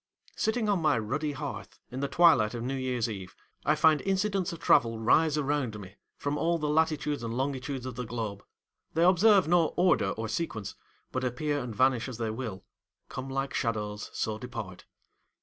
Sitting on my ruddy hearth in the twilight of New Year's Eve, I find incidents of travel rise around me from all the latitudes and longitudes of the globe. They observe no order or sequence, but appear and vanish as they will—'come like shadows, so depart.